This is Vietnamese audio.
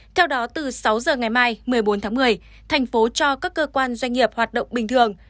theo đó từ sáu giờ ngày mai một mươi bốn tháng một mươi thành phố cho các cơ quan doanh nghiệp hoạt động bình thường